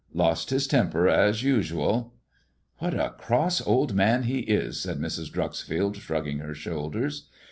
" Lost hifl temper, as usual '" What a cross old man he is," said Mis. Dreuxfield. shrugging her shoulders.